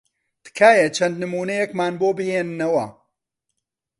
تکایە چەند نموونەیەکمان بۆ بهێننەوە.